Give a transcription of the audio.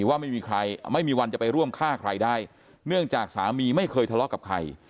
ว่าไม่มีใครไม่มีวันจะไปร่วมฆ่าใครได้เนื่องจากสามีไม่เคยทะเลาะกับใคร